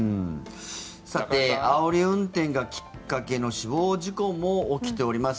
あおり運転がきっかけの死亡事故も起きています。